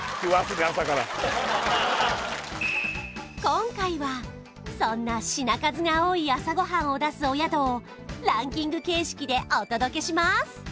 今回はそんな品数が多い朝ごはんを出すお宿をランキング形式でお届けします